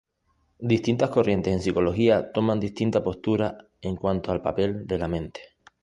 Distintas corrientes en psicología toman distinta postura en cuanto al papel de la mente.